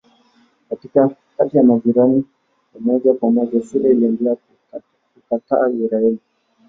Kati ya majirani ya moja kwa moja Syria iliendelea kukataa Israeli.